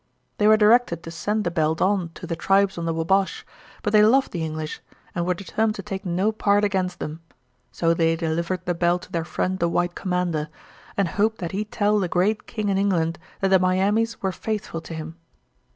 They were directed to send the belt on to the tribes on the Wabash, but they loved the English and were determined to take no part against them; so they delivered the belt to their friend the white commander, and hoped that he'd tell the great king in England that the Miamis were faithful to him.